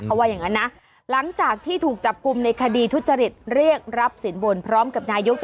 เขาว่าอย่างนั้นนะหลังจากที่ถูกจับกลุ่มในคดีทุจริตเรียกรับสินบนพร้อมกับนายก